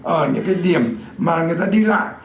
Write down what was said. ở những cái điểm mà người ta đi lại